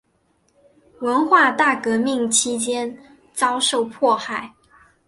文化大革命期间遭受迫害。